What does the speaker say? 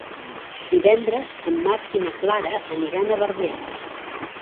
Divendres en Marc i na Clara aniran a Barbens.